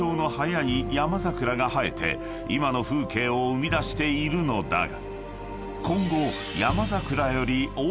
［今の風景を生み出しているのだが］